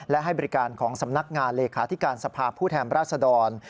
และให้บริการของสำนักงานเลขาธิการสภาพผู้แทนราชดร